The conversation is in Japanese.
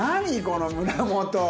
この胸元。